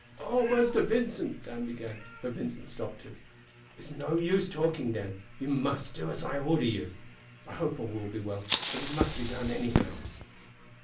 "Oh, Master Vincent," Dan began; but Vincent stopped him. "It's no use talking, Dan; you must do as I order you. I hope all will be well; but it must be done anyhow."